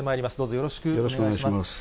よろしくお願いします。